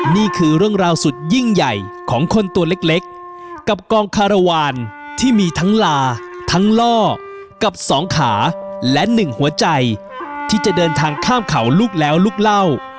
นี่คือเรื่องราวสุดยิ่งใหญ่ของคนตัวเล็กกับกองคารวาลที่มีทั้งลาทั้งล่อกับสองขาและหนึ่งหัวใจที่จะเดินทางข้ามเขาลูกแล้วลูกเล่า